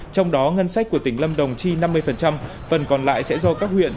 trong đó ngân sách của tỉnh lâm đồng chi năm mươi phần còn lại sẽ do các huyện